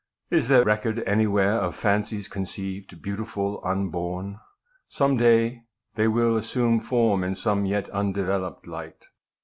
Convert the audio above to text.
Is there record kept anywhere of fancies conceived, beautiful, unborn ? Some day will they assume form in some yet undeveloped light?